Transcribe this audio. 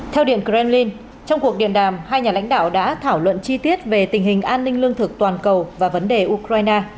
theo điện kremlin trong cuộc điện đàm hai nhà lãnh đạo đã thảo luận chi tiết về tình hình an ninh lương thực toàn cầu và vấn đề ukraine